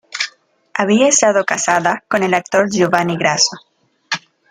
Había estado casada con el actor Giovanni Grasso.